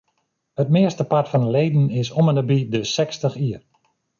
It meastepart fan de leden is om ende by de sechstich jier.